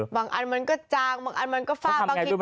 บางอันมันก็จางบางอันมันก็ฝาก